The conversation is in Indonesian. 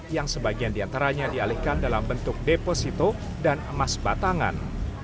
yang sebagian diantaranya dialihkan dalam bentuk deposito dan emas batangan